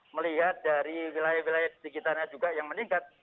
melihat dari wilayah wilayah sekitarnya juga yang meningkat